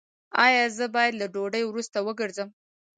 ایا زه باید له ډوډۍ وروسته وګرځم؟